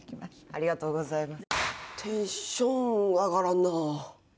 ありがとうございます。